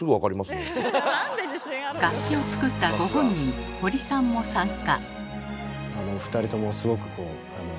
楽器を作ったご本人堀さんも参加。